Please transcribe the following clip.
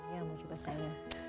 ya allah juga sayang